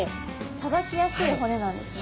さばきやすい骨なんですね。